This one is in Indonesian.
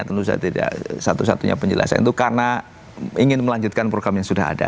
tentu saya tidak satu satunya penjelasan itu karena ingin melanjutkan program yang sudah ada